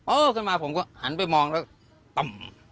ขึ้นมาผมก็หันไปมองแล้วต่ำ